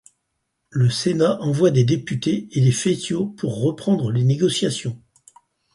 Le Sénat envoie des députés et des Fétiaux pour reprendre les négociations.